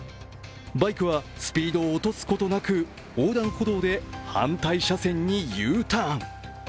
バイクはスピードを落とすことなく横断歩道で反対車線にＵターン。